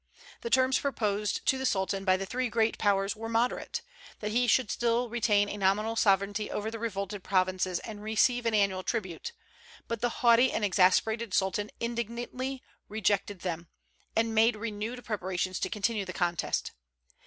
The terms proposed to the Sultan by the three great Powers were moderate, that he should still retain a nominal sovereignty over the revolted provinces and receive an annual tribute; but the haughty and exasperated Sultan indignantly rejected them, and made renewed preparations to continue the contest.